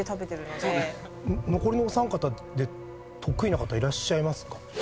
残りのお三方で得意な方いらっしゃいますか？